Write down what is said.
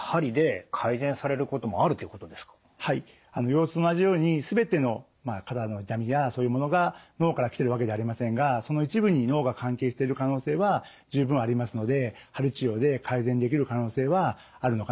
腰痛と同じように全ての肩の痛みやそういうものが脳から来てるわけじゃありませんがその一部に脳が関係している可能性は十分ありますので鍼治療で改善できる可能性はあるのかなというふうに思います。